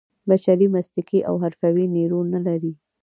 بشري مسلکي او حرفوي نیرو نه لري.